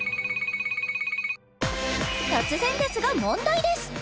突然ですが問題です！